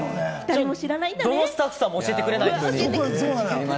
どのスタッフさんも教えてくれないんですよ。